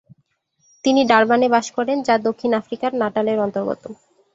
তিমি ডারবানে বাস করেন, যা দক্ষিণ আফ্রিকার নাটালের অন্তর্গত।